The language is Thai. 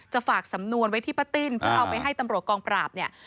ฝากสำนวนไว้ที่ป้าติ้นเพื่อเอาไปให้ตำรวจกองปราบเนี่ย